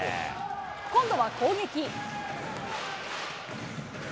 今度は攻撃。